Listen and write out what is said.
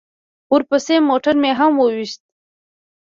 ورپسې موټر مې هم وويشت.